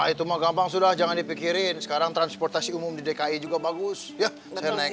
itu mau gampang sudah jangan dipikirin sekarang transportasi umum di dki juga bagus ya saya naik